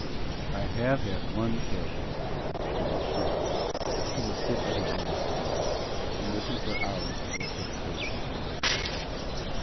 I have had one pale faced boy, to be sure, who will sit at his mother's feet, and listen for hours to what took place before he was born.